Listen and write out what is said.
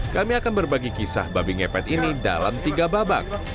kami akan berbagi kisah babi ngepet ini dalam tiga babak